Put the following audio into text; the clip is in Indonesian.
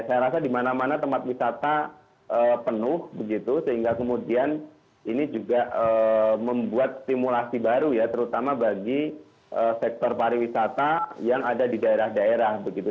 saya rasa di mana mana tempat wisata penuh begitu sehingga kemudian ini juga membuat stimulasi baru ya terutama bagi sektor pariwisata yang ada di daerah daerah begitu